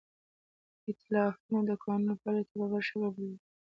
ایتلافونه د ټاکنو پایلو ته په بل شکل بدلون ورکوي.